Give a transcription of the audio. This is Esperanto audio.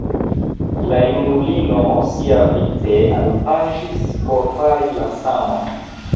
La junulino siavice alpaŝis por fari la samon.